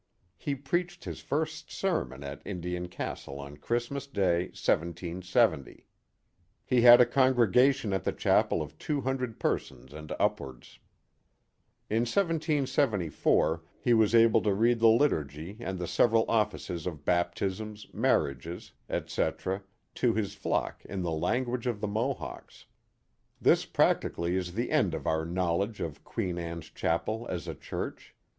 He preached his first sermon at Indian Castle on Christmas Day, 1770. He had a congregation at the chapel of two hundred persons and upwards. In 1774 he was able to read the liturgy and the several offices of baptism, marriages, etc., to his flock in the language of the Mohawks. Queen Anne's Chapel 87 This practically is the end of our knowledge of Queen Anne's Chapel as a church.